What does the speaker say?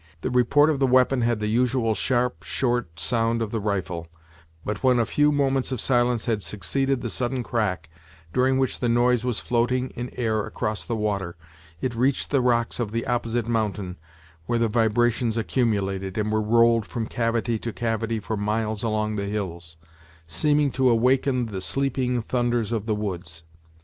The report of the weapon had the usual sharp, short sound of the rifle: but when a few moments of silence had succeeded the sudden crack, during which the noise was floating in air across the water, it reached the rocks of the opposite mountain, where the vibrations accumulated, and were rolled from cavity to cavity for miles along the hills, seeming to awaken the sleeping thunders of the woods.